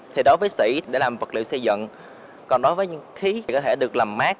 thì đối với sĩ để làm vật liệu xây dựng còn đối với khí thì có thể được làm mát